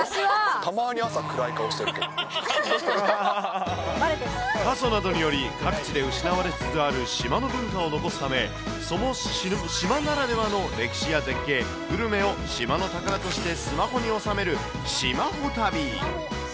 たまに朝、暗い顔してるけ過疎などにより、各地で失われつつある島の文化を残すため、その島ならではの歴史や絶景、グルメを島の宝としてスマホに収める島ホ旅。